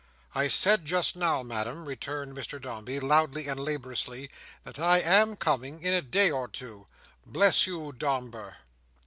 "I said just now, Madam," returned Mr Dombey, loudly and laboriously, "that I am coming in a day or two." "Bless you, Domber!"